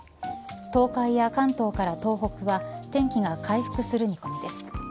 東海や関東から東北は天気が回復する見込みです。